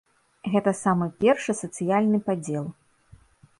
Гэта самы першы сацыяльны падзел.